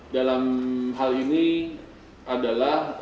dalam hal ini adalah